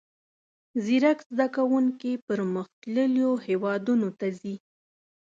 زیرک زده کوونکي پرمختللیو هیوادونو ته ځي.